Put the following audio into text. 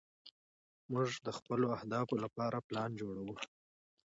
موږ د خپلو اهدافو لپاره پلان جوړوو.